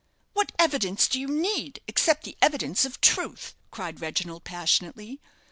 "What evidence do you need, except the evidence of truth?" cried Reginald, passionately.